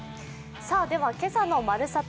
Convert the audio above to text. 今朝の「まるサタ」